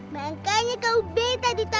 makanya kau betah ditambah kau